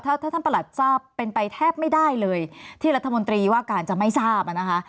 ถ้าถ้าท่านประหลัดทราบเป็นไปแทบไม่ได้เลยที่รัฐมนตรีว่าการจะไม่ทราบอ่ะนะคะ